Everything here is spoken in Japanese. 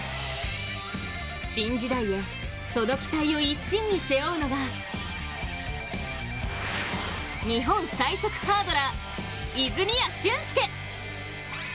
新時代へその期待を一身に背負うのが日本最速ハードラー、泉谷駿介。